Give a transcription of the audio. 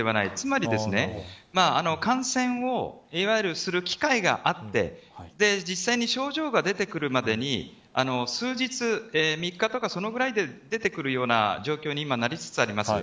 つまり感染をする機会があって実際に症状が出てくるまでに数日、３日とかそのぐらいで出てくるような状況に今、なりつつあります。